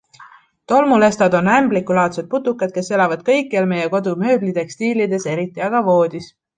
Tolmulestad on ämblikulaadsed putukad, kes elavad kõikjal meie kodu mööblitekstiilides, eriti aga voodis.